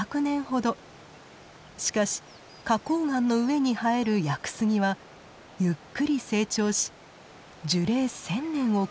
しかし花こう岩の上に生える屋久杉はゆっくり成長し樹齢１，０００年を超えることもあります。